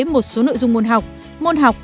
một số nội dung môn học môn học